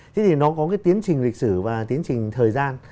thế thì nó có cái tiến trình lịch sử và tiến trình thời gian